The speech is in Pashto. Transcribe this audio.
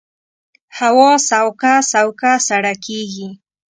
هوا سوکه سوکه سړه کېږي